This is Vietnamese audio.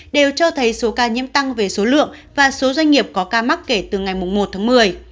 đều cho thấy số ca nhiễm tăng về số lượng và số doanh nghiệp có ca mắc kể từ ngày một tháng một mươi